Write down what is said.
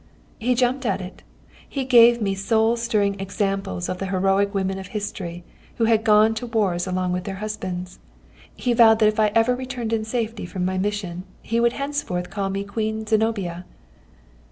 "He jumped at it. He gave me soul stirring examples of the heroic women of history, who had gone to the wars along with their husbands.... He vowed that if I ever returned in safety from my mission he would henceforth call me 'Queen Zenobia.'